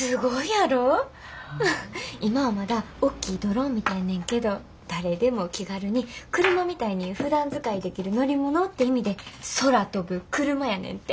今はまだおっきいドローンみたいねんけど誰でも気軽に車みたいにふだん使いできる乗り物って意味で空飛ぶクルマやねんて。